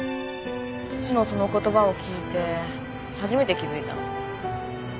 父のその言葉を聞いて初めて気付いたの。